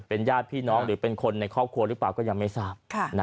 ญาติพี่น้องหรือเป็นคนในครอบครัวหรือเปล่าก็ยังไม่ทราบ